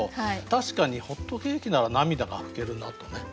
確かにホットケーキなら涙が拭けるなとね。